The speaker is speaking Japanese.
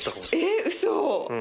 えっうそ？